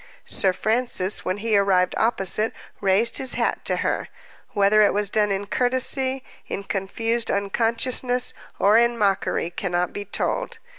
Sir Francis, when he arrived opposite, raised his hat to her. Whether it was done in courtesy, in confused unconsciousness, or in mockery, cannot be told.